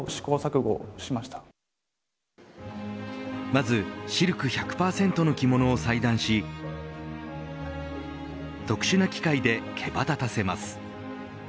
まずシルク１００％の着物を裁断し特殊な機械で毛羽立たせます。